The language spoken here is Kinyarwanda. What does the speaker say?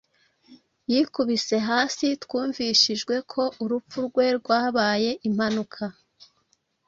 yikubise hasiTwumvishijwe ko urupfu rwe rwabaye impanuka